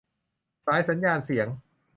สายสัญญาณเสียง